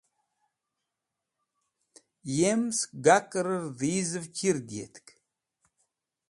Yem sẽk gakrẽr dhizẽv chir diyetk.